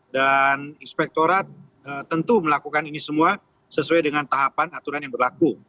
dan inspektorat tentu melakukan ini semua sesuai dengan tahapan aturan yang berlaku